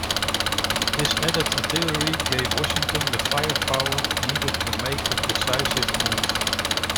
This added artillery gave Washington the firepower needed to make a decisive move.